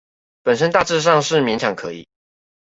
本身大致上是勉強可以